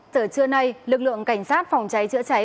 từ trưa nay lực lượng cảnh sát phòng cháy chữa cháy